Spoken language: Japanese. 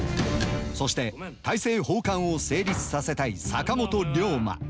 そして大政奉還を成立させたい坂本龍馬。